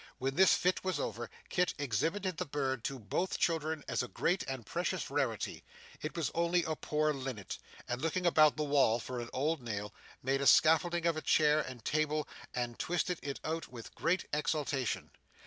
When this fit was over, Kit exhibited the bird to both children, as a great and precious rarity it was only a poor linnet and looking about the wall for an old nail, made a scaffolding of a chair and table and twisted it out with great exultation.